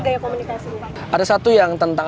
gaya komunikasi ada satu yang tentang